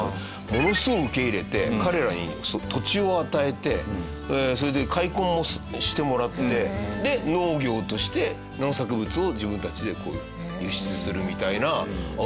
ものすごい受け入れて彼らに土地を与えてそれで開墾してもらってで農業として農作物を自分たちで輸出するみたいな。